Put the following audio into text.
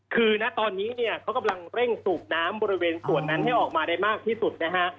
คือนะตอนนี้เนี่ยเขากำลังเร่งสูบน้ำบริเวณส่วนนั้นให้ออกมาได้มากที่สุดนะฮะ